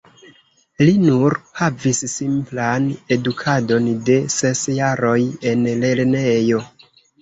Li nur havis simplan edukadon de ses jaroj en lernejo.